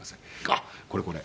あっこれこれ。